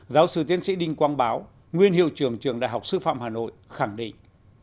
giáo sư tiên sĩ đinh quang báo nguyên hiệu trường trường đại học sư phạm hà nội khẳng định